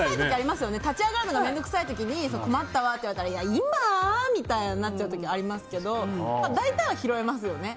立ち上がるのが面倒くさい時に困ったわって言われたら今？ってなっちゃう時ありますけど大体は拾いますよね。